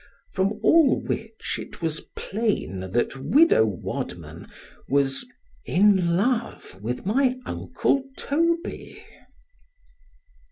From all which it was plain that widow Wadman was in love with my uncle _Toby.